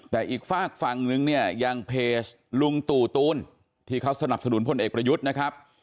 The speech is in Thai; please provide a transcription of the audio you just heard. แต่อีกฝากฝั่งนึงเนี่ยยังเพจลุงตู่ตูนที่เขาสนับสนุนพลเอกประยุทธ์นะครับ